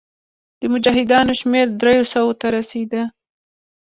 د مجاهدینو شمېر دریو سوو ته رسېدی.